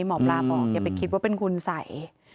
หมอปลาบอกอย่าไปคิดว่าเป็นคุณสัย